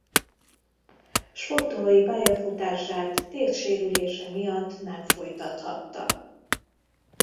Sportolói pályafutását térdsérülése miatt nem folytathatta.